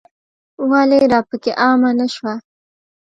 ولې راپکې عامه نه شوه.